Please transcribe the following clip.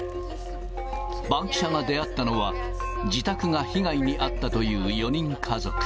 バンキシャが出会ったのは、自宅が被害に遭ったという４人家族。